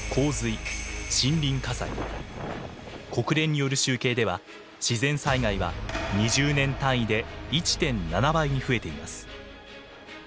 国連による集計では自然災害は２０年単位で１．７倍に増えています。